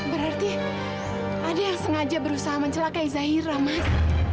berarti ada yang sengaja berusaha mencelakai zahira mas